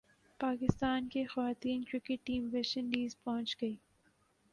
پاکستان کی خواتین cricket team West Indies پہنچ گئی